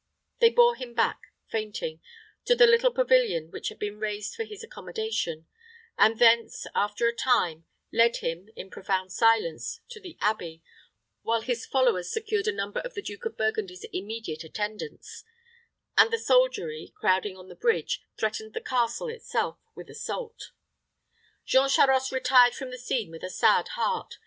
They bore him back, fainting, to the little pavilion which had been raised for his accommodation, and thence, after a time, led him, in profound silence, to the abbey, while his followers secured a number of the Duke of Burgundy's immediate attendants, and the soldiery, crowding on the bridge, threatened the castle itself with assault. Jean Charost retired from the scene with a sad heart.